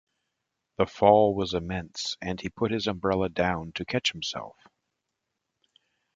The fall was immense and he put his umbrella down to catch himself.